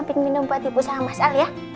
ibu kekinya minum buat ibu mas al ya